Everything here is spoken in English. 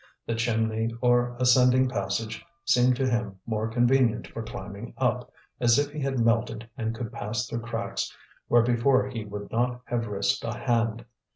The chimney or ascending passage seemed to him more convenient for climbing up, as if he had melted and could pass through cracks where before he would not have risked a hand.